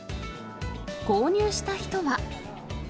購入した人は。